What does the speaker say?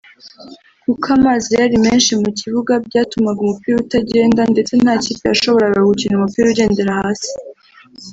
kuko amazi yari menshi mu kibuga byatumaga umupira utagenda ndetse nta kipe yashoboraga gukina umupira ugendera hasi